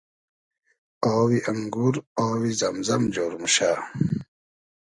آوی انگور آوی زئم زئم جۉر موشۂ